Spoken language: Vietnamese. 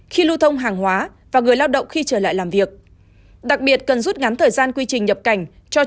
khi lưu thông hàng hóa và người lao động khi trở lại làm việc